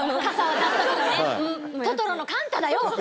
トトロのカンタだよ。